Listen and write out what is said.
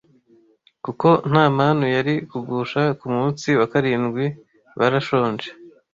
kuko nta manu yari kugusha ku munsi wa karindwi barashonje